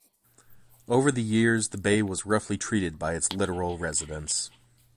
Over the years, the bay was roughly treated by its littoral residents.